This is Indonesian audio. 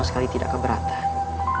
sekali tidak keberatan